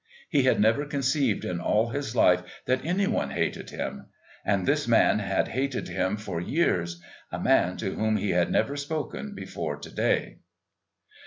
He had never conceived in all his life that any one hated him and this man had hated him for years, a man to whom he had never spoken before to day.